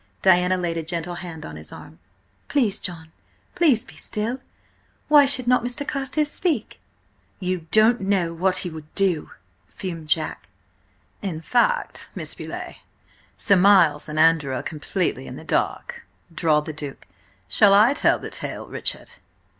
Diana laid a gentle hand on his arm. "Please, John! Please be still! Why should not Mr. Carstares speak?" "You don't know what he would do!" fumed Jack. "In fact, Miss Beauleigh, Sir Miles and Andrew are completely in the dark," drawled the Duke. "Shall I tell the tale, Richard?"